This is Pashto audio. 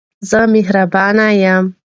زه مهربانه یم.